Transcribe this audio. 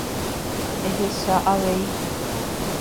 Ehecha avei.